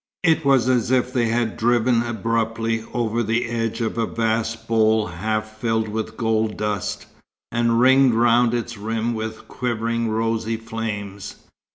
It was as if they had driven abruptly over the edge of a vast bowl half filled with gold dust, and ringed round its rim with quivering rosy flames.